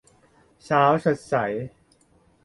เช้าสดใส